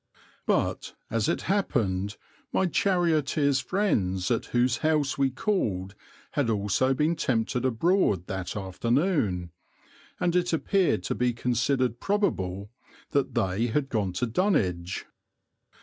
But, as it happened, my charioteer's friends at whose house we called had also been tempted abroad that afternoon, and it appeared to be considered probable that they had gone to Dunwich.